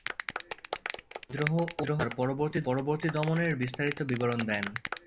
তিনি বিদ্রোহ ও এর পরবর্তী দমনের বিস্তারিত বিবরণ দেন।